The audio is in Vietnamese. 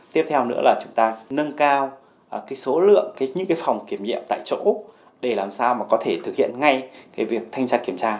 tiếp theo nữa là chúng ta nâng cao số lượng những phòng kiểm nghiệm tại chỗ úc để làm sao mà có thể thực hiện ngay việc thanh tra kiểm tra